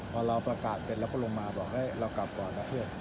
พอเราประกาศเสร็จเราก็ลงมาบอกเรากลับก่อนนะเพื่อน